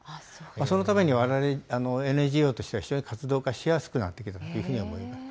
そのために、われわれＮＧＯとしては非常に活動がしやすくなってきたというふうに思います。